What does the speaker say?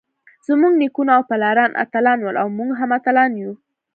زمونږ نيکونه او پلاران اتلان ول اؤ مونږ هم اتلان يو.